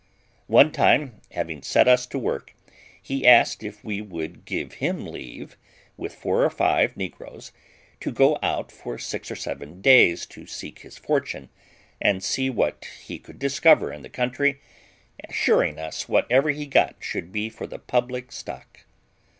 One time, having set us to work, he asked if we would give him leave, with four or five negroes, to go out for six or seven days to seek his fortune, and see what he could discover in the country, assuring us whatever he got should be for the public stock.